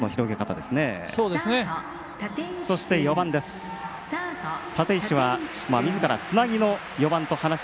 そして、４番です。